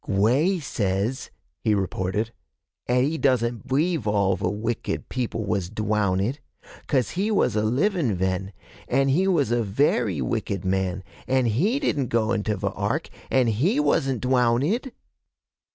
'Gwey says,' he reported, ''at he doesn't b'ieve all ve wicked people was dwown ed, 'cause he was a livin' ven, an' he was a very wicked man, an' he didn't go into ve Ark, an' he wasn't dwown ed.'